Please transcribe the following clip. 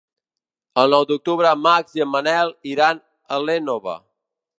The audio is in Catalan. El nou d'octubre en Max i en Manel iran a l'Énova.